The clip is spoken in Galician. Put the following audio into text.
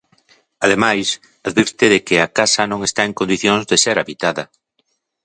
Ademais, advirte de que a casa non está en condicións de ser habitada.